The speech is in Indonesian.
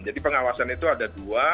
jadi pengawasan itu ada dua